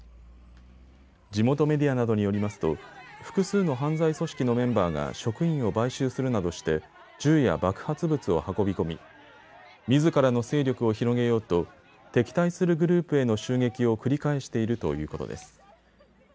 地元メディアなどによりますと複数の犯罪組織のメンバーが職員を買収するなどして銃や爆発物を運び込みみずからの勢力を広げようと敵対するグループへの襲撃を繰り返しているということです。